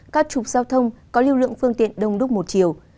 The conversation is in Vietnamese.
các trục giao thông có lưu lượng phương tiện đông đúc một chiều